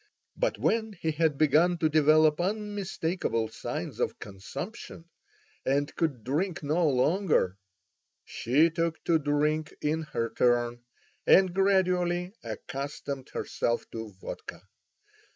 But when he had begun to develop unmistakable signs of consumption, and could drink no longer, she took to drink in her turn, and gradually accustomed herself to vodka.